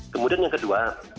kemudian yang kedua